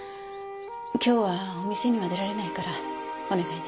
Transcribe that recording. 今日はお店には出られないからお願いね。